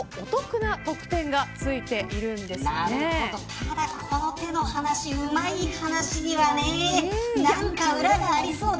ただ、この手の話うまい話にはね何か裏がありそうだ。